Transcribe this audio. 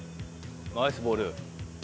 ナイスボール。